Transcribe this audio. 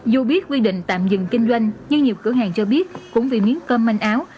dù biết quy định tạm dừng kinh doanh nhưng nhiều cửa hàng cho biết cũng vì miếng cơm manh áo